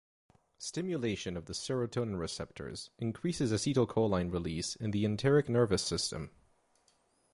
Stimulation of the serotonin receptors increases acetylcholine release in the enteric nervous system.